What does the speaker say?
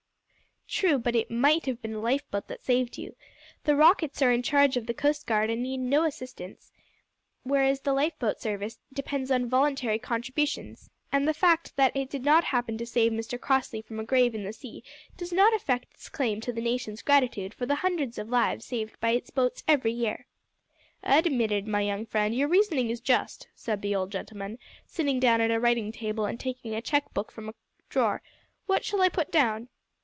"True, but it might have been a lifeboat that saved you. The rockets are in charge of the Coast Guard and need no assistance, whereas the Lifeboat Service depends on voluntary contributions, and the fact that it did not happen to save Mr Crossley from a grave in the sea does not affect its claim to the nation's gratitude for the hundreds of lives saved by its boats every year." "Admitted, my young friend, your reasoning is just," said the old gentleman, sitting down at a writing table and taking a cheque book from a drawer; "what shall I put down?"